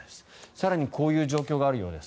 更にこういう状況があるようです。